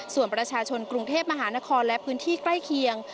ส่วนประชาชนกรุงเทพมหานครและพื้นที่ใกล้เคียง